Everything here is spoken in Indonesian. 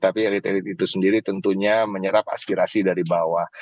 tapi elit elit itu sendiri tentunya menyerap aspirasi dari bawah